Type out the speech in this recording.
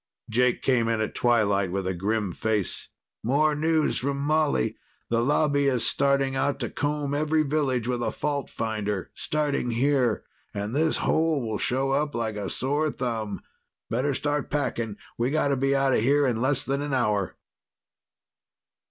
Jake came in at twilight with a grim face. "More news from Molly. The Lobby is starting out to comb every village with a fault finder, starting here. And this hole will show up like a sore thumb. Better start packing. We gotta be out of here in less than an hour!"